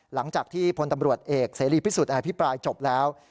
หลังจากที่พลตำรวจเอกเสรีพิสุทธิอภิปรายจบแล้ว